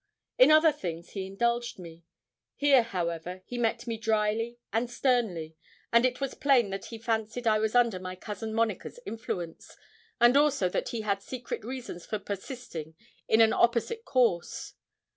In other things he indulged me; here, however, he met me drily and sternly, and it was plain that he fancied I was under my cousin Monica's influence, and also that he had secret reasons for persisting in an opposite course.